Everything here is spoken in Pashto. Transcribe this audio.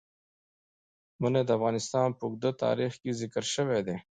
منی د افغانستان په اوږده تاریخ کې ذکر شوی دی.